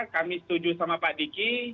kami setuju sama pak diki